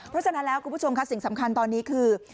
เพราะฉะนั้นแล้วคุณผู้ชมค่ะสิ่งสำคัญตอนนี้คือ